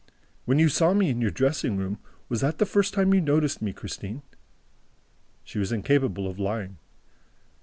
"When you saw me in your dressing room, was that the first time you noticed me, Christine?" She was incapable of lying.